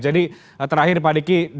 jadi terakhir pak diki